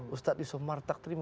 ustadz yusof martak terima